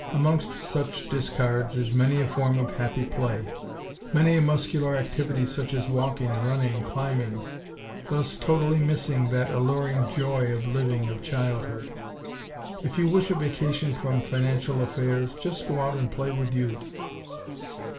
Amongst such discards, is many a form of happy play; many a muscular activity such as walking, running, climbing; thus totally missing that alluring "joy of living" of childhood. If you wish a vacation from financial affairs, just go out and play with Youth.